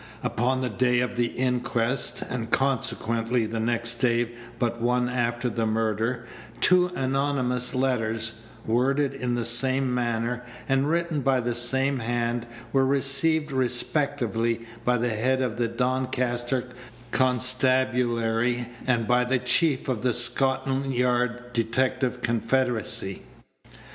Upon the day of the inquest, and consequently the next day but one after the murder, two anonymous letters, worded in the same manner, and written by the same hand, were received respectively by the head of the Doncaster constabulary and by the chief of the Scotland Yard detective confederacy.